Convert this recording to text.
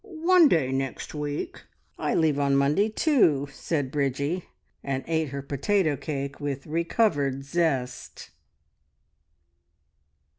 "One day next week." "I leave on Monday too," said Bridgie, and ate her potato cake with recovered zest.